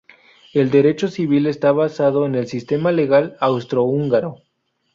El derecho civil está basado en el sistema legal austro-húngaro.